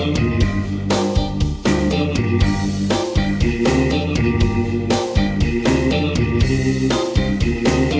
เพลงนี้ที่๕หมื่นบาทแล้วน้องแคน